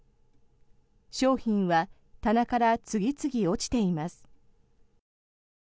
商品は棚から次々落ちています。